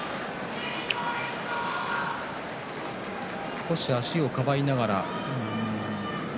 少し足をかばいながら。